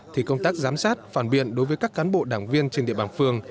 thì công tác giám sát phản biện đối với các cán bộ đảng viên trên địa bàn phường